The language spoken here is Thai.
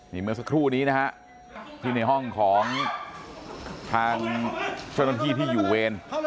นี่เมื่อสักครู่นี้นะฮะที่ในห้องของทางเจ้าหน้าที่ที่อยู่เวร